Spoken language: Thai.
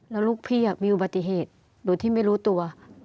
แล้วลูกพี่มีอุบัติเหตุโดยที่ไม่รู้ตัว